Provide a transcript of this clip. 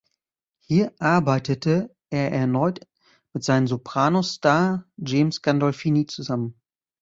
Hier arbeitete er erneut mit seinem "Sopranos"-Star James Gandolfini zusammen.